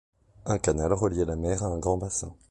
Un canal reliait la mer à un grand bassin.